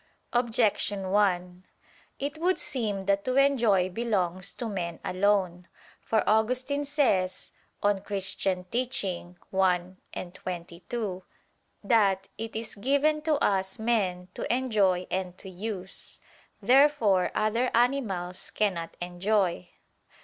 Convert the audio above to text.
Objection 1: It would seem that to enjoy belongs to men alone. For Augustine says (De Doctr. Christ. i, 22) that "it is given to us men to enjoy and to use." Therefore other animals cannot enjoy.